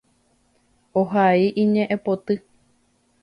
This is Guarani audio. Ohai iñe'ẽpoty.